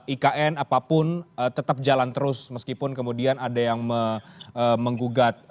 ikn apapun tetap jalan terus meskipun kemudian ada yang menggugat